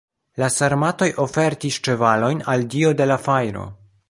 La sarmatoj ofertis ĉevalojn al dio de la fajro.